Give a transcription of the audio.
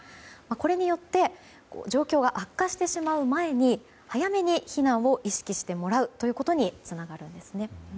これによって状況が悪化してしまう前に早めに避難を意識してもらうということにつながるんですね。